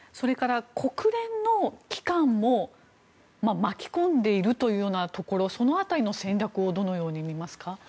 国連の機関も巻き込んでいるところその辺りの戦略をどのように見ますか。